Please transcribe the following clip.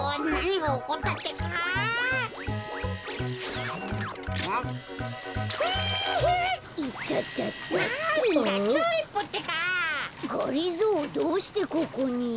がりぞーどうしてここに？